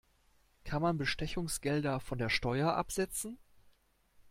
Kann man Bestechungsgelder von der Steuer absetzen?